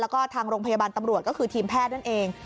แล้วก็ทางโรงพยาบาลตำรวจก็คือทีมแพทย์นั่นเอง